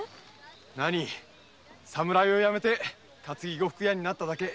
なに侍をやめて担ぎ呉服屋になっただけ。